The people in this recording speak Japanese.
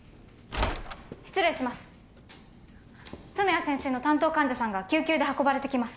失礼します染谷先生の担当患者さんが救急で運ばれてきます